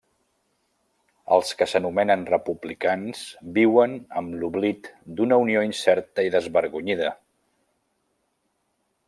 Els que s'anomenen republicans viuen amb l'oblit d'una unió incerta i desvergonyida!